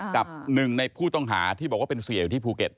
กับหนึ่งในผู้ต้องหาที่บอกว่าเป็นเสียอยู่ที่ภูเก็ต